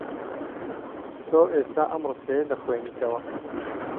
تۆ ئێستا ئەم ڕستەیە دەخوێنیتەوە.